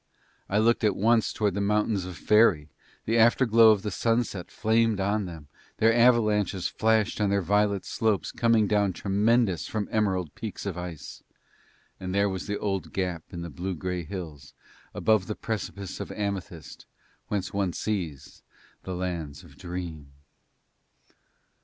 I looked at once toward the mountains of faëry; the afterglow of the sunset flamed on them, their avalanches flashed on their violet slopes coming down tremendous from emerald peaks of ice; and there was the old gap in the blue grey hills above the precipice of amethyst whence one sees the Lands of Dream.